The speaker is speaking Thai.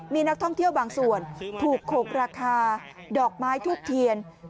มีนักท่องเที่ยวบางส่วนถูกโขกราคาดอกไม้ทูบเทียน